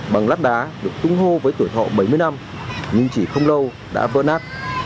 bằng lát đá được tung hô với tuổi thọ bảy mươi năm nhưng chỉ không lâu đã vỡ nát